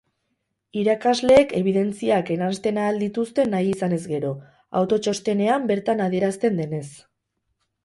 Irakasleek ebidentziak eransten ahal dituzte nahi izanez gero, autotxostenean bertan adierazten denez.